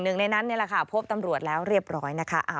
หนึ่งในนั้นนี่แหละค่ะพบตำรวจแล้วเรียบร้อยนะคะ